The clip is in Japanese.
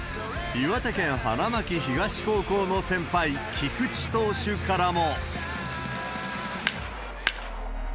岩手県花巻東高校の先輩、菊池投手からも。